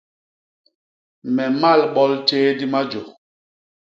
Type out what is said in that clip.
Me mmal bol tjéé di majô.